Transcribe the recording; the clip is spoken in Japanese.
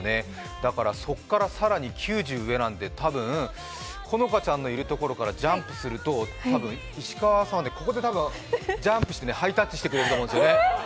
だからそこから更に９０上なんで、多分、好花ちゃんのいるところからジャンプすると石川さんはここでジャンプしてハイタッチしてくれると思うんだよね。